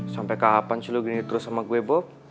sampai kapan cilu gini terus sama gue bob